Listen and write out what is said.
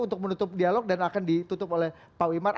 untuk menutup dialog dan akan ditutup oleh pak wimar